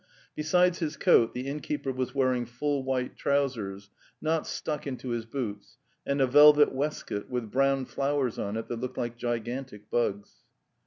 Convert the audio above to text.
Besides his coat the innkeeper was wearing full white trousers, not stuck into his boots, and a velvet waistcoat with brown flowers on it that looked like gigantic bugs.